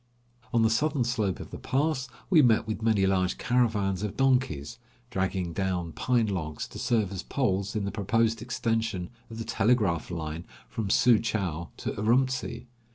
On the southern slope of the pass we met with many large caravans of donkeys, dragging down pine logs to serve as poles in the proposed extension of the telegraph line from Su Chou to Urumtsi.